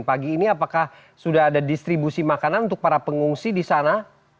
pagi ini apakah sudah ada distribusi makanan untuk para pengungsi di sana